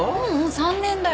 ３年だよ。